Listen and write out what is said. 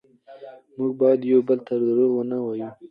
موږ باید یو بل ته دروغ ونه وایو